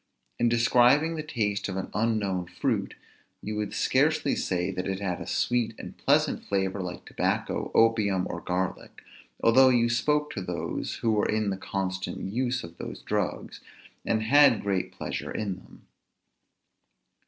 In describing the taste of an unknown fruit, you would scarcely say that it had a sweet and pleasant flavor like tobacco, opium, or garlic, although you spoke to those who were in the constant use of those drugs, and had great pleasure in them.